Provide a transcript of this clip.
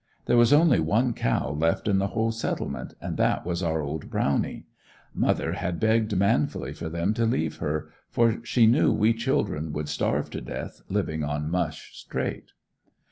There was only one cow left in the whole "Settlement" and that was our old "Browny;" mother had begged manfully for them to leave her, for she knew we children would starve to death living on mush straight.